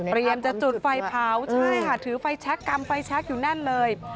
เปลี่ยนจากจุดไฟเผาใช่ค่ะถือไฟแช็คกำไฟแช็คอยู่นั่นเลย